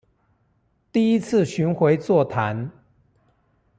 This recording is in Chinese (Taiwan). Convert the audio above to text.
第一次巡迴座談